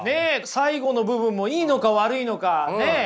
最後の部分もいいのか悪いのかねえ。